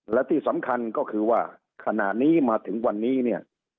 และที่สำคัญก็คือว่าขณะนี้มาถึงวันนี้เนี่ย